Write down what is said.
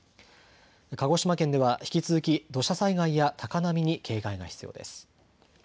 鹿児島県では引き続き土砂災害や高波に警戒が必要です。